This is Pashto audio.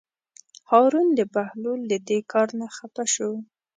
هارون د بهلول د دې کار نه خپه شو.